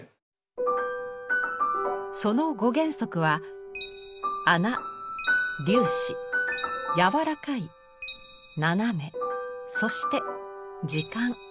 その５原則は「孔」「粒子」「やわらかい」「斜め」そして「時間」。